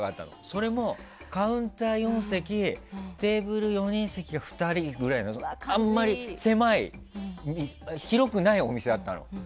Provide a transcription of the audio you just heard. それもカウンター４席とテーブル４人席が２人ぐらいのあんまり広くないお店だったの。